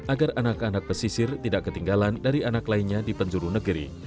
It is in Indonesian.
agar anak anak pesisir tidak ketinggalan dari anak lainnya di penjuru negeri